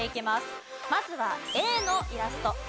まずはＡのイラスト。